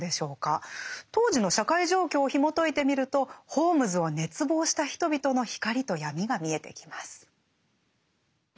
当時の社会状況をひもといてみるとホームズを熱望した人々の光と闇が見えてきます。